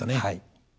はい。